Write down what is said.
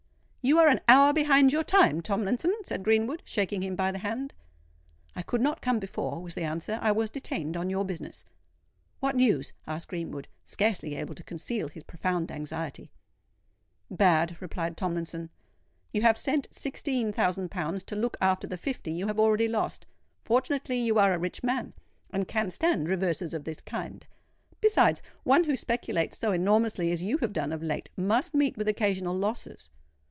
"You are an hour behind your time, Tomlinson," said Greenwood, shaking him by the hand. "I could not come before," was the answer: "I was detained on your business." "What news?" asked Greenwood, scarcely able to conceal his profound anxiety. "Bad," replied Tomlinson. "You have sent sixteen thousand pounds to look after the fifty you have already lost. Fortunately you are a rich man, and can stand reverses of this kind. Besides, one who speculates so enormously as you have done of late, must meet with occasional losses.